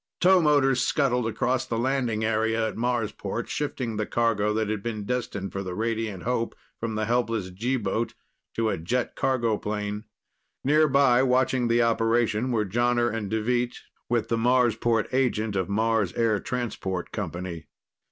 Towmotors scuttled across the landing area at Marsport, shifting the cargo that had been destined for the Radiant Hope from the helpless G boat to a jet cargo plane. Nearby, watching the operation, were Jonner and Deveet, with the Marsport agent of Mars Air Transport Company.